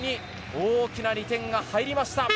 大きな２点が入りました。